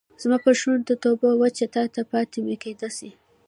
زما پر شونډو توبه وچه تاته پاته میکده سي